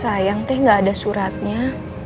sayang deh gak ada suratnya